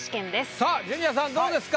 さあジュニアさんどうですか？